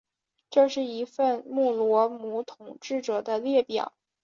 这是一份穆罗姆统治者的列表。